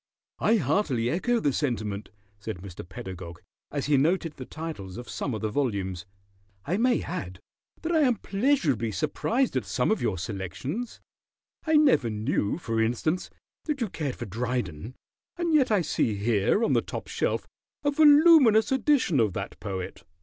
"I heartily echo the sentiment," said Mr. Pedagog, as he noted the titles of some of the volumes. "I may add that I am pleasurably surprised at some of your selections. I never knew, for instance, that you cared for Dryden, and yet I see here on the top shelf a voluminous edition of that poet."